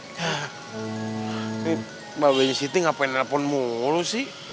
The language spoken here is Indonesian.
tapi mbak benya siti ngapain nelfon mulu sih